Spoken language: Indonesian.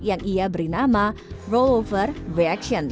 yang ia beri nama rover reaction